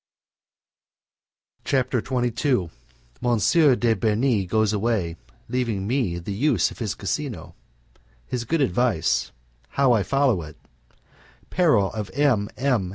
CHAPTER XXII M. De Bernis Goes Away Leaving Me the Use of His Casino His Good Advice: How I Follow It Peril of M. M.